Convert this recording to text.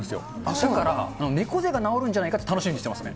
だから、猫背が治るんじゃないかって楽しみにしてますね。